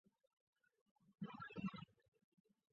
她的地位次于正宫皇后八不沙。